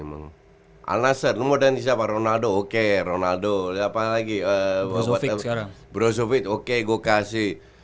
mengalasnya lu mau dan siapa ronaldo oke ronaldo lagi sekarang oke gue kasih